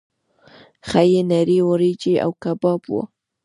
ښې نرۍ وریجې او کباب وو.